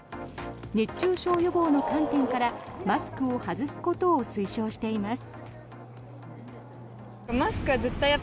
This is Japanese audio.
熱中症予防の観点からマスクを外すことを推奨しています。